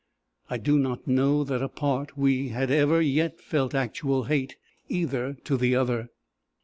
I do not know that, apart, we had ever yet felt actual hate, either to the other.